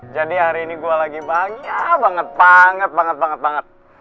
jadi hari ini gue lagi bahagia banget banget banget banget banget